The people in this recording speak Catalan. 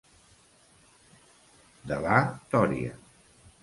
De la tòria.